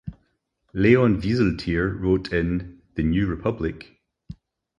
Leon Wieseltier wrote in "The New Republic", "...